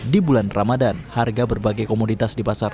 di bulan ramadan harga berbagai komoditas di pasar